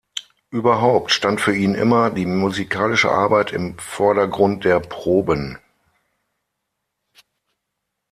Überhaupt stand für ihn immer die musikalische Arbeit im Vordergrund der Proben.